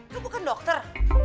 lo bukan dokter